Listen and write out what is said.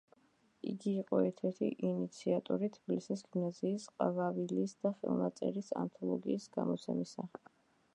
იგი იყო ერთ-ერთი ინიციატორი „თბილისის გიმნაზიის ყვავილის“ და ხელნაწერი ანთოლოგიის გამოცემისა.